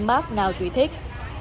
xem bác nào chịu thích